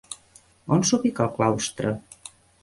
On s'ubica el claustre?